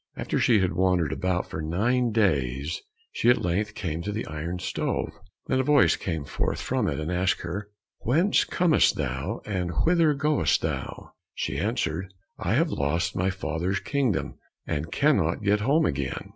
After she had wandered about for nine days, she at length came to the iron stove. Then a voice came forth from it, and asked her, "Whence comest thou, and whither goest, thou?" She answered, "I have lost my father's kingdom, and cannot get home again."